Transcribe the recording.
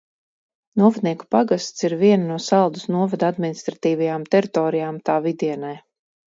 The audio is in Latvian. Novadnieku pagasts ir viena no Saldus novada administratīvajām teritorijām tā vidienē.